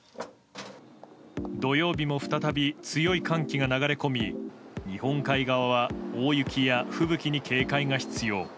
土曜日も再び強い寒気が流れ込み日本海側は大雪や吹雪に警戒が必要。